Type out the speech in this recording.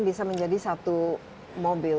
bisa menjadi satu mobil